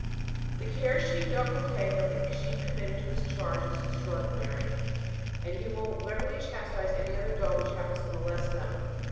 The care a sheep dog will take of the sheep committed to his charge is extraordinary, and he will readily chastise any other dog which happens to molest them.